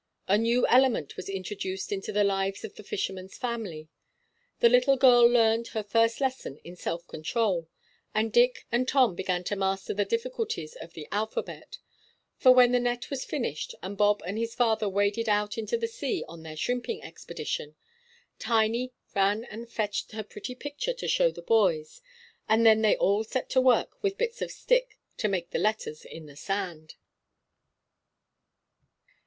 A new element was introduced into the lives of the fisherman's family. The little girl learned her first lesson in self control, and Dick and Tom began to master the difficulties of the alphabet; for, when the net was finished, and Bob and his father waded out into the sea on their shrimping expedition, Tiny ran and fetched her pretty picture to show the boys, and then they all set to work with bits of stick to make the letters in the sand.